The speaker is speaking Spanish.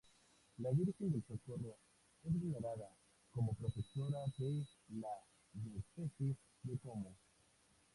La Virgen del Socorro es venerada como protectora de la diócesis de Como.